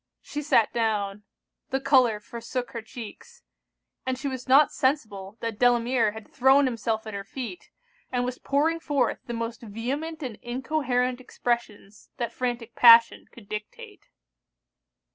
She sat down; the colour forsook her cheeks; and she was not sensible that Delamere had thrown himself at her feet, and was pouring forth the most vehement and incoherent expressions that frantic passion could dictate.